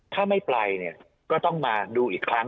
ถ้าไม่ไปเนี่ยก็ต้องมาดูอีกครั้ง